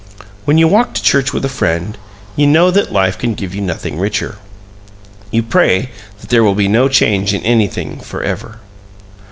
When you walk to church with a friend you know that life can give you nothing richer. You pray that there will be no change in anything for ever.